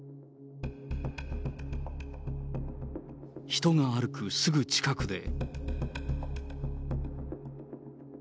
人が歩くすぐ近くで。